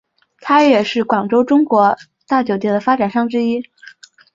他也是广州中国大酒店的发展商之一。